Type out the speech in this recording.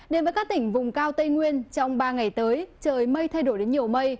đến với các tỉnh vùng cao tây nguyên trong ba ngày tới trời mây thay đổi đến nhiều mây